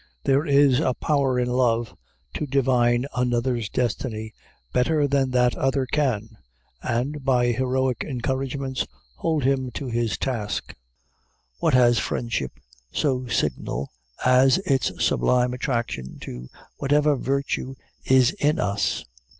There is a power in love to divine another's destiny better than that other can, and, by heroic encouragements, hold him to his task. What has friendship so signal as its sublime attraction to whatever virtue is in us?